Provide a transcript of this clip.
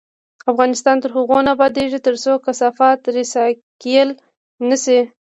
افغانستان تر هغو نه ابادیږي، ترڅو کثافات ریسایکل نشي.